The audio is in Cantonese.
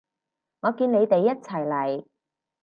我見你哋一齊嚟